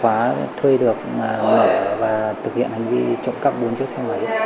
tôi đã được trợ khóa thì đến đêm tôi đã đến nhà đó và thực hiện hành vi trộm cắp mũi chiếc xe